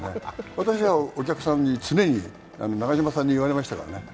私はお客さんに常に長嶋に言われましたからね。